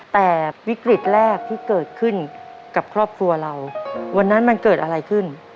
แต่วิกฤตแรกที่เกิดขึ้นกับครอบครัวเราวันนั้นมันเกิดอะไรขึ้น